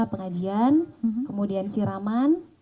pengajian kemudian siraman